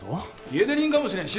家出人かもしれん。